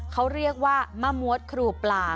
เขาเรียกว่ามะมวดครูปลา